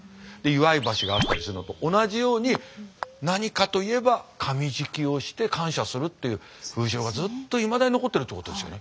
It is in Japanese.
祝い箸があったりするのと同じように何かといえば神喰をして感謝するという風習がずっといまだに残っているということですよね。